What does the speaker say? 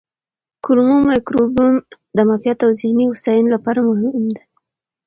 کولمو مایکروبیوم د معافیت او ذهني هوساینې لپاره مهم دی.